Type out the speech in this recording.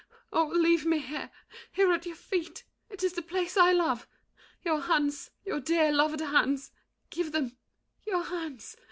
Oh, leave me here— Here at your feet! It is the place I love! Your hands, your dear loved hands, give them—your hands!